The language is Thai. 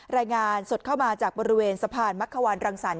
รายงานสดเข้ามาจากบริเวณสะพานมักขวานรังสรรค